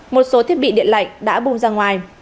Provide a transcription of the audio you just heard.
một số thiết bị điện lạnh đã bung ra ngoài